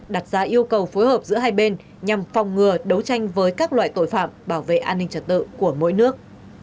đặt ra yêu cầu phối hợp giữa hai bên nhằm phòng ngừa đấu tranh với các loại tội phạm bảo vệ an ninh trật tự của mỗi nước